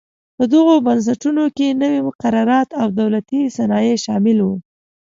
په دغو بنسټونو کې نوي مقررات او دولتي صنایع شامل و.